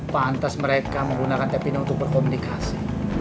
pantes mereka menggunakan tep ini untuk berkomunikasi